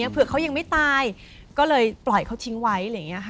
เผื่อเขายังไม่ตายก็เลยปล่อยเขาทิ้งไว้